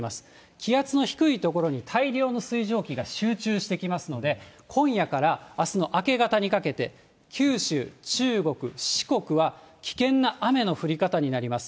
気圧の低い所に大量に水蒸気が集中してきますので、今夜からあすの明け方にかけて、九州、中国、四国は危険な雨の降り方になります。